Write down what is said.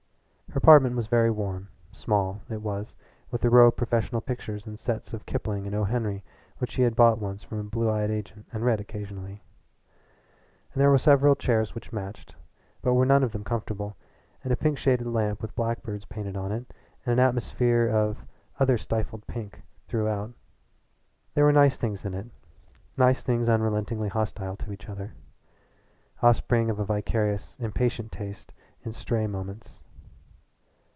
Her apartment was very warm small, it was, with a row of professional pictures and sets of Kipling and O. Henry which she had bought once from a blue eyed agent and read occasionally. And there were several chairs which matched, but were none of them comfortable, and a pink shaded lamp with blackbirds painted on it and an atmosphere of other stifled pink throughout. There were nice things in it nice things unrelentingly hostile to each other, offspring of a vicarious, impatient taste acting in stray moments.